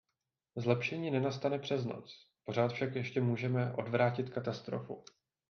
Zlepšení nenastane přes noc, pořád však ještě můžeme odvrátit katastrofu.